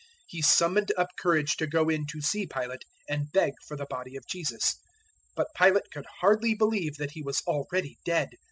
He summoned up courage to go in to see Pilate and beg for the body of Jesus. 015:044 But Pilate could hardly believe that He was already dead.